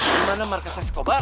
kalian tahu di mana markasnya skobar